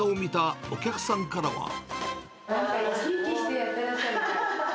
なんか生き生きしてやってらっしゃるから。